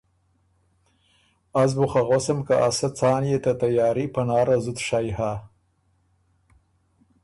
از بُو خه غؤسم که ا سۀ څان يې ته تیاري پناره زُت شئ هۀ۔